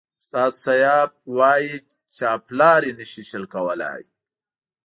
استاد سياف وایي چاپلاري نشي شل کولای.